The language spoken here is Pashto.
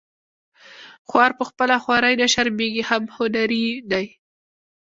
خوار په خپله خواري نه شرمیږي هم هنري دی